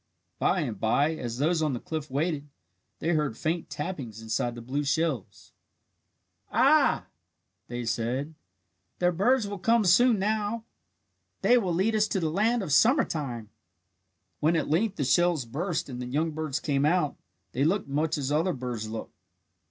By and bye, as those on the cliff waited, they heard faint tappings inside the blue shells. "Ah," they said, "the birds will come soon now. They will lead us to the land of summer time." When at length the shells burst and the young birds came out, they looked much as other birds look.